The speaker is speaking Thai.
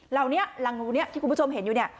เหล่านี้รังงูนี้ที่คุณผู้ชมเห็นอยู่เนี่ย